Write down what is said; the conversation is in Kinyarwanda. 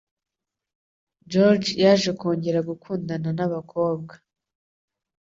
George yaje kongera gukundana nabakobwa.